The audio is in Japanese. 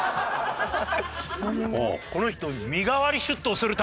この人。